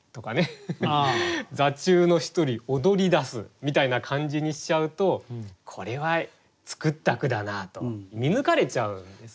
「座中の一人踊りだす」みたいな感じにしちゃうとこれは作った句だなと見抜かれちゃうんですね。